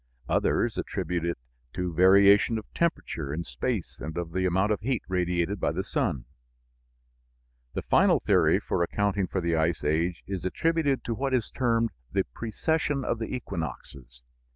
Others attribute it to variation of temperature in space and of the amount of heat radiated by the sun. The final theory for accounting for the ice age is attributed to what is termed the precession of the equinoxes.